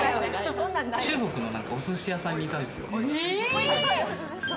中国のお寿司屋さんにいたんですよ。